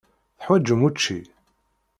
Teḥwaǧem učči?